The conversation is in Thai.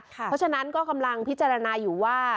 เพราะฉะนั้นก็กำลังพิจารณาอยู่ว่า